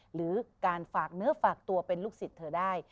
หรือการฝากเนื้อฝากตัวเป็นลูกศิษย์เธอได้